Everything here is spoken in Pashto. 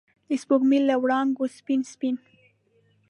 د سپوږمۍ له وړانګو سپین، سپین